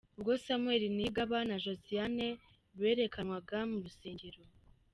Ubwo Samuel Niyigaba na Josiane berekanwaga mu rusengero.